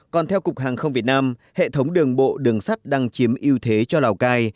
còn theo cục hàng không việt nam hệ thống đường bộ đường sắt đang chiếm ưu thế cho lào cai